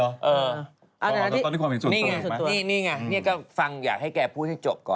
อ๋อขอสอตอที่ความเป็นส่วนตัวเห็นไหมนี่ไงนี่ไงนี่ก็ฟังอยากให้แกพูดให้จบก่อน